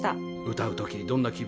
歌う時どんな気分？